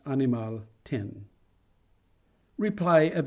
animal. x). Reply Obj.